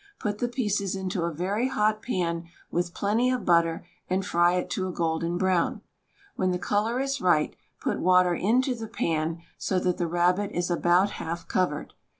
Put the pieces into a very hot pan with plenty of butter and fry it to a golden brown. When the color is right put water into the pan so that the rabbit is about half covered.